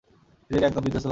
নিজেকে একদম বিদ্ধস্ত লাগছে!